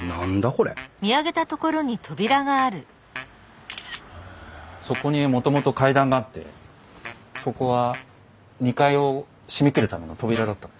これそこにもともと階段があってそこは２階を閉めきるための扉だったんです。